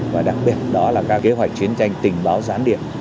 và đặc biệt đó là các kế hoạch chiến tranh tình báo giãn điện